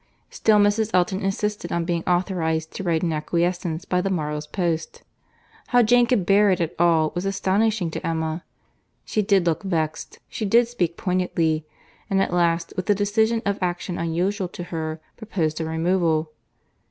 —Still Mrs. Elton insisted on being authorised to write an acquiescence by the morrow's post.—How Jane could bear it at all, was astonishing to Emma.—She did look vexed, she did speak pointedly—and at last, with a decision of action unusual to her, proposed a removal.